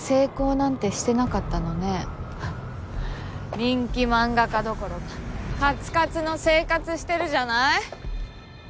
人気漫画家どころかカツカツの生活してるじゃない。